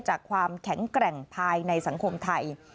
ความแข็งแกร่งภายในสังคมไทย